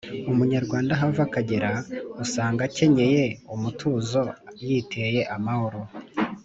umunyarwanda aho ava akagera usanga akenyeye umutuzo yiteye amahoro